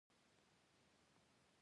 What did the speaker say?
تهدید ته د خیالي خطر په سترګه ونه کتل.